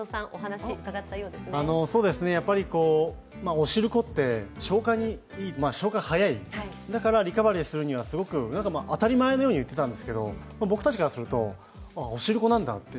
おしるこって消化が早い、だからリカバリーするには、すごく当たり前のように言ってたんですけど僕たちからすると、おしるこなんだと。